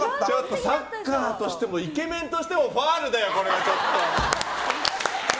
サッカーとしてもイケメンとしてもファウルだよ！